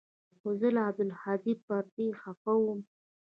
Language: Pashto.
خو زه له عبدالهادي پر دې خپه وم.